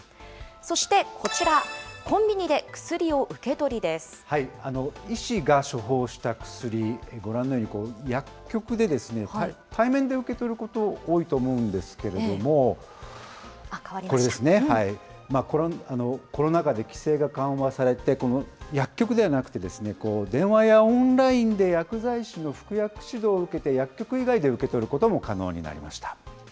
そしてこちら、コンビニで薬を受医師が処方した薬、ご覧のように薬局で対面で受け取ること、多いと思うんですけれども、これですね、コロナ禍で規制が緩和されて、この薬局ではなくて、電話やオンラインで薬剤師の服薬指導を受けて、薬局以外で受け取ることも可能になりました。